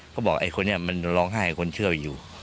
เขาบอกไอ้คนนี้มันร้องไห้กับคนเชื่อไปอยู่